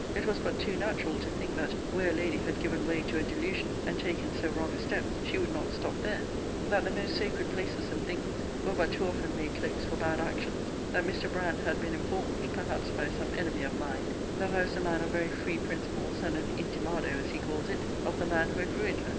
] it was but too natural to think, that, where a lady had given way to a delusion, and taken so wrong a step, she would not stop there: that the most sacred places and things were but too often made clokes for bad actions; that Mr. Brand had been informed (perhaps by some enemy of mine) that I was a man of very free principles, and an intimado, as he calls it, of the man who had ruined her.